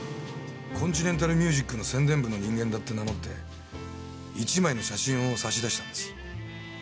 コンチネンタル・ミュージックの宣伝部の人間だって名乗って１枚の写真を差し出したんです。